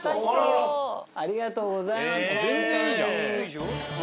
ありがとうございますほんとに。